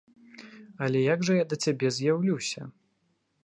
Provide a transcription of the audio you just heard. Але як жа я да цябе з'яўлюся?